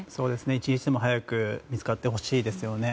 一日でも早く見つかってほしいですよね。